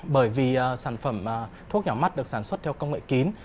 bởi vì sản phẩm thuốc nhỏ mắt được sản xuất theo công nghệ kín